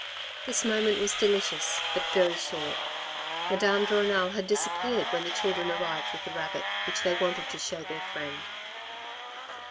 This moment was delicious but very short : Madame de Renal had disappeared when the children arrived with the rabbit which they wanted to show to their friend.